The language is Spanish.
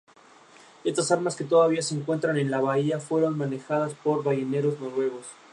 Estas armas que todavía se encuentran en la bahía, fueron manejadas por balleneros noruegos.